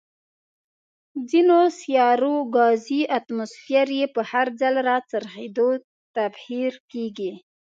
ځینو سیارو ګازي اتموسفیر یې په هر ځل راڅرخېدو، تبخیر کیږي.